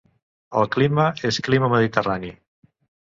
El clima és clima mediterrani.